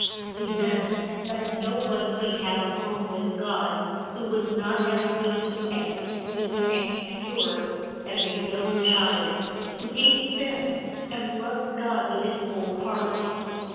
He meant that no one could have a home with God who was not as good, and sweet, and pure as a young child, who hates sin, and loves God with his whole heart.